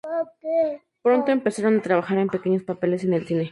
Pronto empezaron a trabajar en pequeños papeles en el cine.